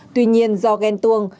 tuy nhiên do ghen tuông